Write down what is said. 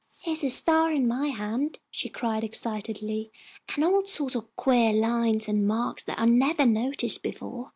"Here's a star in my hand," she cried, excitedly, "and all sorts of queer lines and marks that I never noticed before.